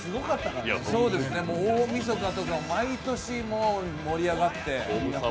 大みそかとか毎年盛り上がって。